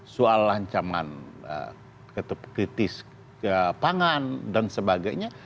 soal ancaman kritis ke pangan dan sebagainya